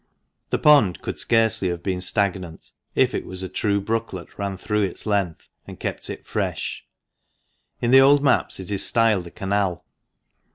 The pond could scarcely have been stagnant, if it was true a brooklet ran through its length and kept it fresh. In the old maps it is styled a " Canal."